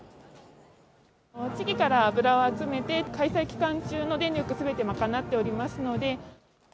地域から油を集めて、開催期間中の電力すべてを賄っておりますので。